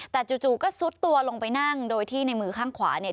แต่จู่ก็ซุดตัวลงไปนั่งโดยที่ในมือข้างขวาเนี่ย